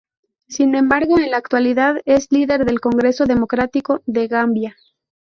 Sin embargo, en la actualidad es líder del Congreso Democrático de Gambia.